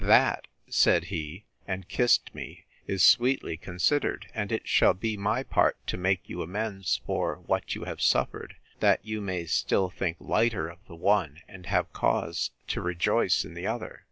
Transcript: —That, said he, and kissed me, is sweetly considered! and it shall be my part to make you amends for what you have suffered, that you may still think lighter of the one, and have cause to rejoice in the other.